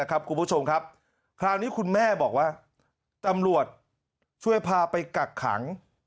คุณผู้ชมครับคราวนี้คุณแม่บอกว่าตำรวจช่วยพาไปกักขัง